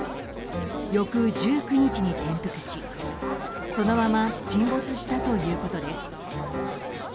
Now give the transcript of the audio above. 翌１９日に転覆し、そのまま沈没したということです。